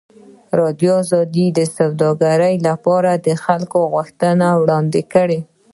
ازادي راډیو د سوداګري لپاره د خلکو غوښتنې وړاندې کړي.